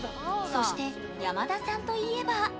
そして、山田さんといえば。